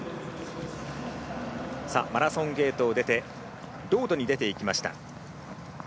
マラソンゲートを出てロードに出ていきました。